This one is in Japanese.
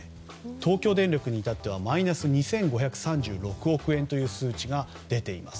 東京電力にいたってはマイナス２５３６億円という数字が出ています。